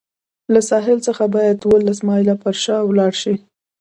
له ساحل څخه باید اوولس مایله پر شا لاړ شي.